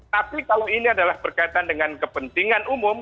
tapi kalau ini adalah berkaitan dengan kepentingan umum